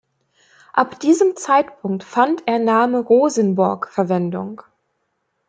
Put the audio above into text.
Ab diesem Zeitpunkt fand er Name "Rosenborg" Verwendung.